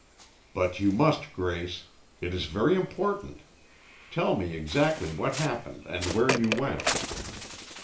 "But you must, Grace. It is very important. Tell me exactly what happened and where you went."